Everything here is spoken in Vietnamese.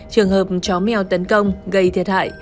trường hợp chó mèo tấn công gây thiệt hại